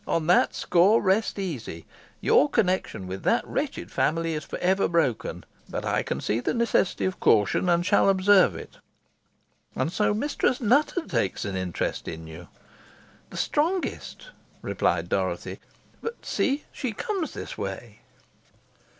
"On that score rest easy. Your connexion with that wretched family is for ever broken. But I can see the necessity of caution, and shall observe it. And so Mistress Nutter takes an interest in you?" "The strongest," replied Dorothy; "but see! she comes this way."